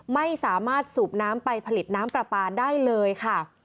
ไม่สามารถสูบน้ำไปผลิตน้ำปลาปลาได้เลยค่ะ